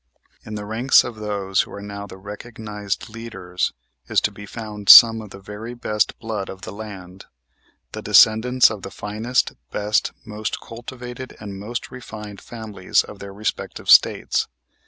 In the ranks of those who are now the recognized leaders is to be found some of the very best blood of the land, the descendants of the finest, best, most cultivated, and most refined families of their respective States.